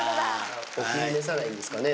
お気に召さないんですかね。